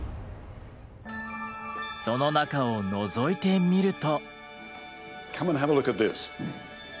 その中をのぞいてみると。